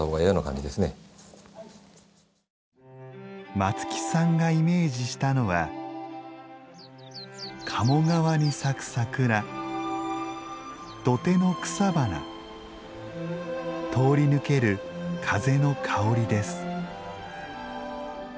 松木さんがイメージしたのは鴨川に咲く桜、土手の草花通り抜ける風の香りです。